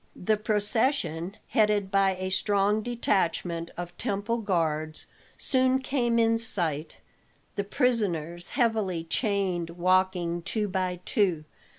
The procession, headed by a strong detachment of temple guards, soon came in sight, the prisoners heavily chained walking two by two.